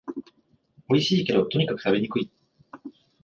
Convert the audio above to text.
おいしいけど、とにかく食べにくい